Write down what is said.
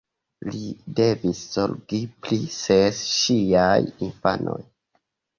Li devis zorgi pri ses ŝiaj infanoj.